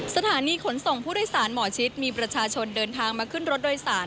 สถานีขนส่งผู้โดยสารหมอชิดมีประชาชนเดินทางมาขึ้นรถโดยสาร